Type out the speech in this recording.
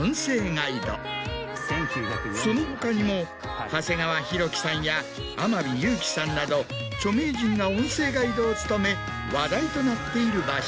その他にも長谷川博己さんや天海祐希さんなど著名人が音声ガイドを務め話題となっている場所。